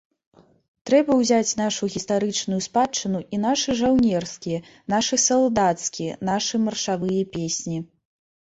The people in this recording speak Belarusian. Трэба ўзяць нашу гістарычную спадчыну і нашы жаўнерскія, нашы салдацкія, нашы маршавыя песні.